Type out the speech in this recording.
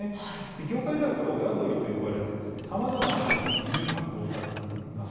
業界では親鳥と呼ばれていてさまざまな食品に加工されています。